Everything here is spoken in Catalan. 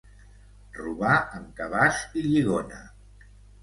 Robar amb cabàs i lligona.